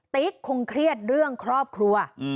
ติ๊กคงเครียดเรื่องครอบครัว